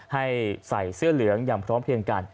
ให้ใส่เสื้อเหลืองอย่างพร้อมเพียงกัน